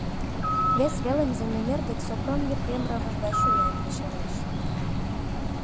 Вес велым землемер дек Сопром Епрем рывыж гай чоян лишемеш.